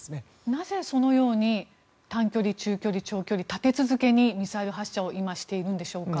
なぜそのように短距離、中距離、長距離立て続けにミサイル発射を今しているんでしょうか？